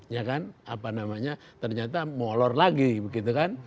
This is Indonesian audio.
ya kan apa namanya ternyata molor lagi begitu kan